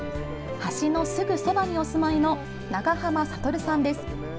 橋のすぐそばにお住まいの長浜悟さんです。